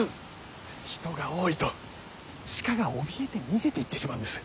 人が多いと鹿がおびえて逃げていってしまうんです。